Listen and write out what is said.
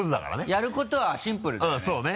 やることはシンプルだからね。